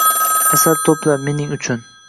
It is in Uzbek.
Asal to‘pla mening uchun.